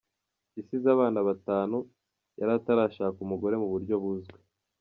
Yasize abana batanu, yari atarashaka umugore mu buryo buzwi.